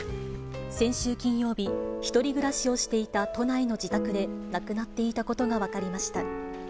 先週金曜日、１人暮らしをしていた都内の自宅で亡くなっていたことが分かりました。